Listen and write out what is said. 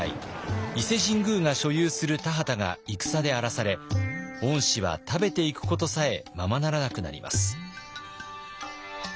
伊勢神宮が所有する田畑が戦で荒らされ御師は食べていくことさえままならなくなります。